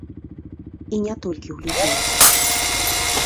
І не толькі ў людзей.